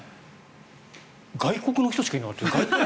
外国の人しかいなかったです。